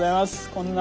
こんな。